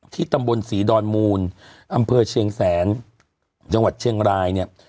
ตำบลศรีดอนมูลอำเภอเชียงแสนจังหวัดเชียงรายเนี่ย